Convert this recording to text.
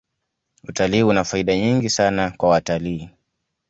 utalii una faida nyingi sana kwa watalii